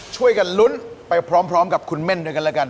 ช่วยกันลุ้นไปพร้อมกับคุณเม่นด้วยกันแล้วกัน